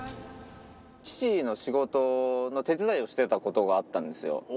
父の仕事の手伝いをしていたことがあったんですよ。